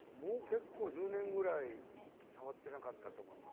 １０年ぐらい触ってなかったと思います。